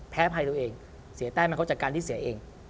แพ้ภัยตัวเองเสียแต้มมาครบจากการที่เสียเอง